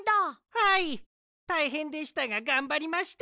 はいたいへんでしたががんばりました。